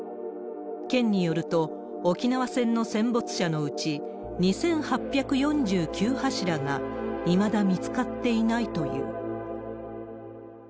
県によると、沖縄戦の戦没者のうち、２８４９柱がいまだ見つかっていないという。